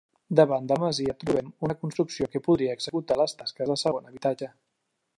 Davant de la masia trobem una construcció que podria executar les tasques de segon habitatge.